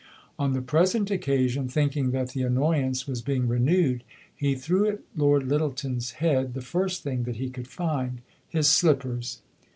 On the present occasion, thinking that the annoyance was being renewed, he threw at Lord Lyttelton's head the first thing that he could find his slippers.